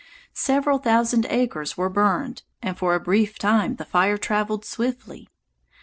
Several thousand acres were burned, and for a brief time the fire traveled swiftly.